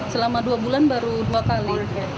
selama dua bulan baru dua kali